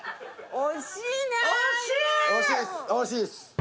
惜しいです。